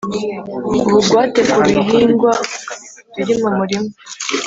Ubugwate ku bihingwa biri mu murima